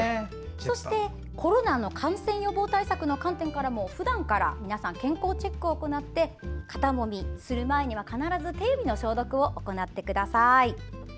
そして、コロナの感染予防対策の観点からもふだんから皆さん健康チェックを行って肩もみする前には必ず手指の消毒を行ってください。